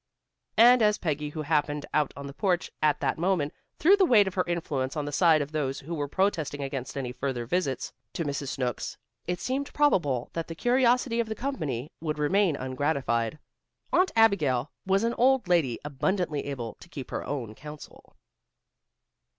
And as Peggy who happened out on the porch at that moment, threw the weight of her influence on the side of those who were protesting against any further visits to Mrs. Snooks, it seemed probable that the curiosity of the company would remain ungratified. Aunt Abigail was an old lady abundantly able to keep her own counsel.